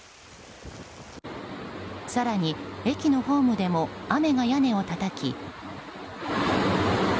更に、駅のホームでも雨が屋根をたたき。